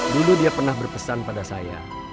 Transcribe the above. dulu dia pernah berpesan pada saya